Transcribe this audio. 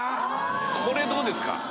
これどうですか？